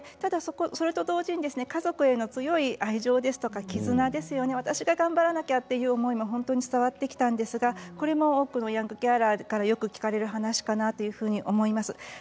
それと同時に家族への強い愛情や絆ですね、私が頑張らなきゃという思いも伝わってきたんですがこれも多くのヤングケアラーからよく聞かれる話かなと思います。